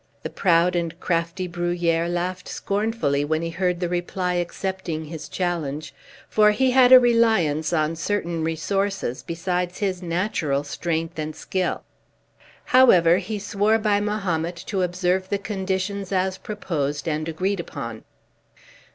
The proud and crafty Bruhier laughed scornfully when he heard the reply accepting his challenge, for he had a reliance on certain resources besides his natural strength and skill. However, he swore by Mahomet to observe the conditions as proposed and agreed upon.